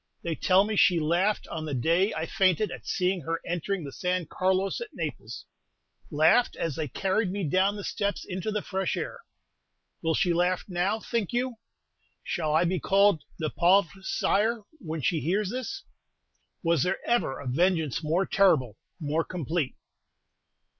They tell me she laughed on the day I fainted at seeing her entering the San Carlos at Naples, laughed as they carried me down the steps into the fresh air! Will she laugh now, think you? Shall I be called 'Le Pauvre Sire' when she hears this? Was there ever a vengeance more terrible, more complete?"